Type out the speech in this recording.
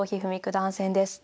段戦です。